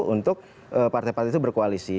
untuk partai partai itu berkoalisi